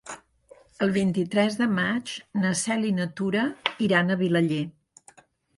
El vint-i-tres de maig na Cel i na Tura iran a Vilaller.